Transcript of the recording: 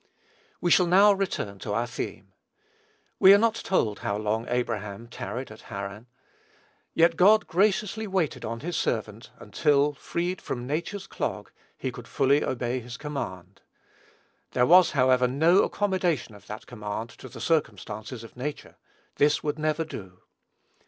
We shall now return to our theme. We are not told how long Abraham tarried at Haran; yet God graciously waited on his servant until, freed from nature's clog, he could fully obey his command. There was, however, no accommodation of that command to the circumstances of nature. This would never do.